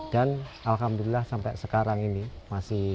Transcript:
dan alhamdulillah sampai sekarang ini masih